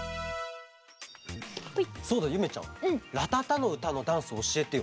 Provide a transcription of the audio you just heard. そうだゆめちゃん「らたたのうた」のダンスおしえてよ。